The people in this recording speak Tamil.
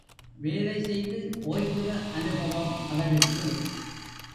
வேலைசெய்து ஓய்கிற அனுபவம் அவருக்கு.